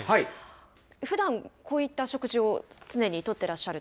ふだん、こういった食事を常にとってらっしゃると。